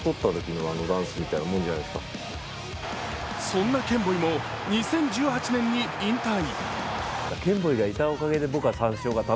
そんなケンボイも２０１８年に引退。